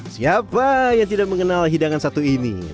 siapa yang tidak mengenal hidangan satu ini